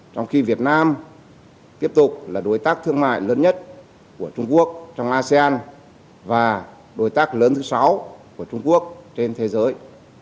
trong khi việt nam tiếp tục là đối tác thương mại lớn nhất của trung quốc trong asean và đối tác lớn thứ sáu của trung quốc trên thế giới